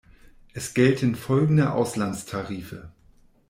Es gelten folgende Auslandstarife.